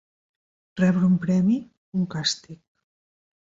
Rebre un premi, un càstig.